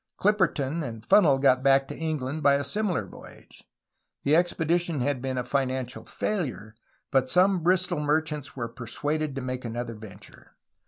Clip perton and Funnel got back to England by a similar voyage. The expedition had been a financial failure, but some Bristol merchants were persuaded to make another venture.